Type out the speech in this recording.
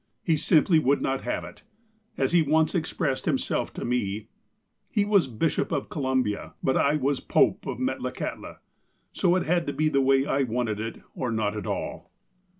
He simply would not have it. As he once expressed himself to me :" He was Bishop of Columbia ; but I was Pope of Met lakahtla. So it had to be the way I wanted it, or not at all."